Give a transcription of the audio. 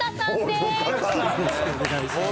よろしくお願いします。